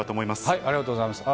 ありがとうございます。